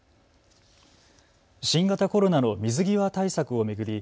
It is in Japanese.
新型コロナの水際対策を巡り